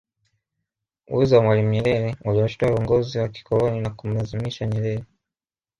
Uwezo wa mwalimu Nyerere uliwashitua uongozi wa kikoloni na kumlazimisha Nyerere